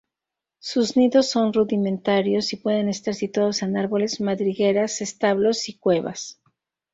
Sus nidos son rudimentarios y pueden estar situados en árboles, madrigueras, establos y cuevas.